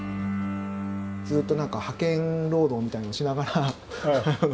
ずっと何か派遣労働みたいなのをしながら。